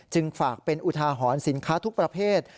ฝากเป็นอุทาหรณ์สินค้าทุกประเภท